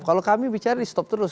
kalau kami bicara di stop terus